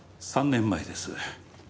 ３年前です。